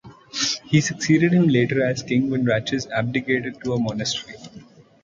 He succeeded him later as king when Ratchis abdicated to a monastery.